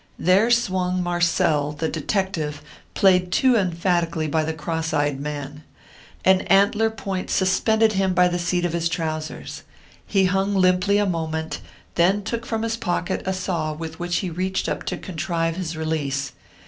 There swung Marcel, the detective, played too emphatically by the cross eyed man. An antler point suspended him by the seat of his trousers. He hung limply a moment, then took from his pocket a saw with which he reached up to contrive his release.